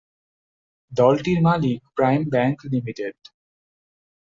দলটির মালিক Prime Bank limited.